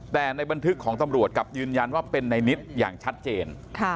แต่ในบันทึกของตำรวจกลับยืนยันว่าเป็นในนิตอย่างชัดเจน